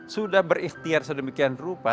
sudah berikhtiar sedemikian rupa